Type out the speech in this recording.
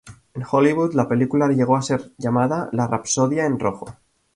En Hollywood, la película llegó a ser llamada "La Rapsodia en Rojo".